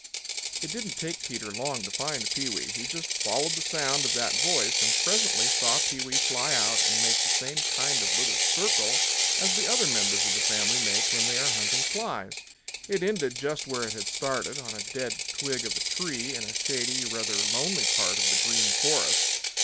It didn't take Peter long to find Pewee. He just followed the sound of that voice and presently saw Pewee fly out and make the same kind of a little circle as the other members of the family make when they are hunting flies. It ended just where it had started, on a dead twig of a tree in a shady, rather lonely part of the Green Forest.